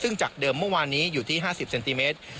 ซึ่งจากเดิมเมื่อวานนี้อยู่ที่๕๐เซนติเมตร